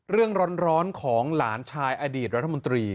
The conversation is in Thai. เรื่องร้อนของหลานชายอดีตรัฐมนตรี